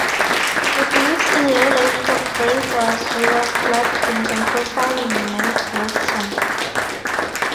It lives in lowland rainforest river floodplains and coastal mangrove swamps.